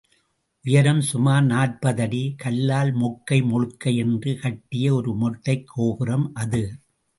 உயரம் சுமார் நாற்பது அடி, கல்லால் மொக்கை மொழுக்கை என்று கட்டிய ஒரு மொட்டைக் கோபுரம் அது.